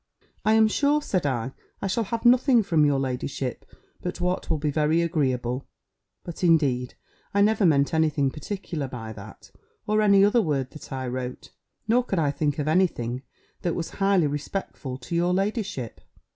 "I am sure," said I, "I shall have nothing from your ladyship, but what will be very agreeable: but, indeed, I never meant any thing particular by that, or any other word that I wrote; nor could I think of any thing but what was highly respectful to your ladyship."